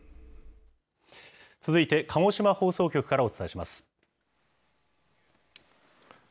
続いて、鹿児島放送局からお伝えします。